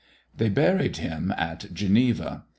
They buried him at Geneva.